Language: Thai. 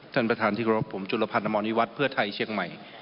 ท่านประธานที่รับผมจุลภัณฑ์ธรรมวิวัตรเพื่อไทยเชียงใหม่